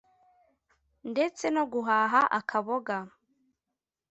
ndetse no guhaha akaboga